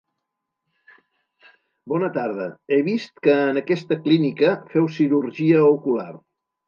Bona tarda, he vist que en aquesta clínica feu cirurgia ocular.